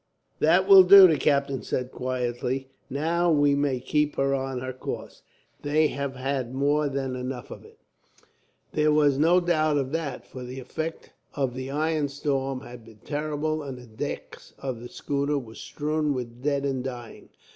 "That will do," the captain said, quietly. "Now we may keep her on her course. They have had more than enough of it." There was no doubt of that, for the effect of the iron storm had been terrible, and the decks of the schooner were strewn with dead and dying.